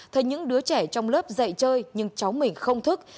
thấy những đứa trẻ trong lớp dạy chơi nhưng cháu mình không thức